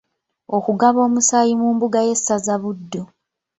Okugaba omusaayi mu mbuga y’essaza Buddu.